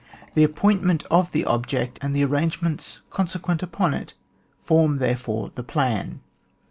The appointment of the object, and the arrangements consequent upon it, form therefore the plan.